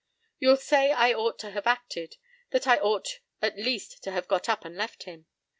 You'll say I ought to have acted; that I ought at least to have got up and left him.